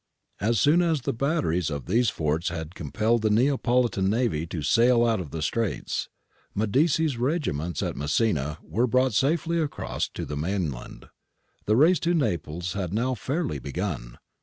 As soon as the batteries of these forts had compelled the Neapolitan navy to sail out of the Straits, Medici's regiments at Messina were brought safely across to the mainland. The race to Naples had now fairly begun.